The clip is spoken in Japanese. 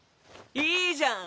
いいじゃん。